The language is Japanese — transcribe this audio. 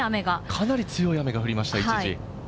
かなり強い雨が降りました、一時。